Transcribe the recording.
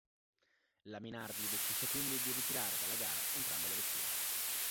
La Minardi decise quindi di ritirare dalla gara entrambe le vetture.